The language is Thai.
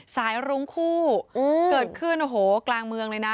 รุ้งคู่เกิดขึ้นโอ้โหกลางเมืองเลยนะ